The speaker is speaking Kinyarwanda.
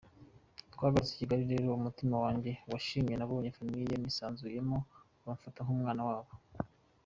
Twagarutse i Kigali rero umutima wanjye wishimye nabonye famille nisanzuramo bamfata nk’umwana wabo.